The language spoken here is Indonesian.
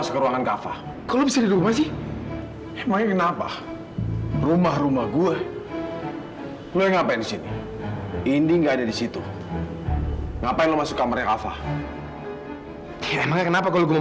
kafa papa datang